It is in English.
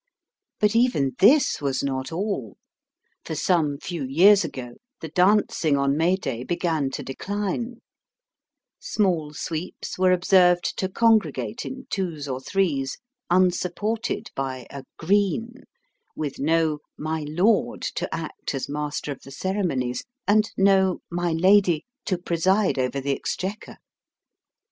But even this was not all, for some few years ago the dancing on May Day began to decline ; small sweeps were observed to congregate in twos or threes, unsupported by a " green," with no " My Lord " to act as master of the ceremonies, and no " My Lady " to preside over the exchequer.